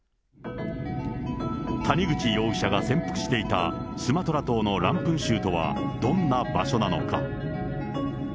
谷口容疑者が潜伏していたスマトラ島のランプン州とはどんな場所なのか。